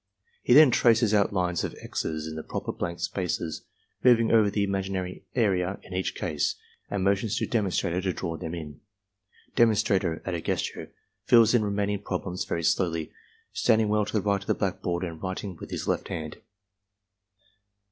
He then traces outlines of "X's" in the proper blank spaces, moving over the imaginary arc in each case, and motions to demonstrator to draw them in. Demonstrator, at a gesture, fills in remaining problems very slowly, standing well to the right of the blackboard and writing with his left hand.